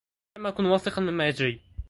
لم أكن واثقا مما يجري.